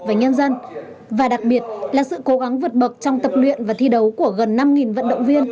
và nhân dân và đặc biệt là sự cố gắng vượt bậc trong tập luyện và thi đấu của gần năm vận động viên